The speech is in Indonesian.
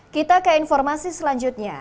kita ke informasi selanjutnya